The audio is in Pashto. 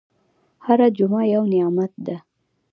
هره جمعه یو نعمت ده.